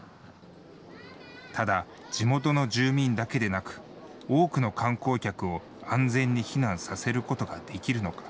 ただ、地元の住民だけでなく、多くの観光客を安全に避難させることができるのか。